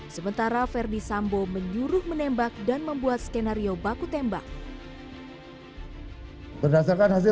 sementara verdi sambo menyuruh menembak dan membuat skenario baku tembak berdasarkan hasil